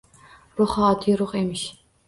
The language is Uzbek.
Ruhi — oddiy ruh emish.